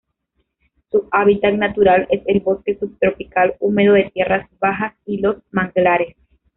Su hábitat natural es el bosque subtropical húmedo de tierras bajas y los manglares.